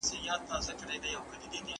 زه له سهاره د کتابتون پاکوالی کوم!؟